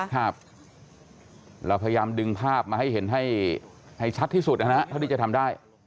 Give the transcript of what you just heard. ครับเราพยายามดึงภาพมาให้เห็นให้ชัดที่สุดนะฮะเท่าที่จะทำได้